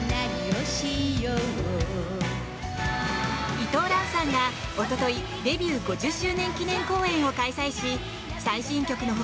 伊藤蘭さんが一昨日デビュー５０周年記念公演を開催し最新曲の他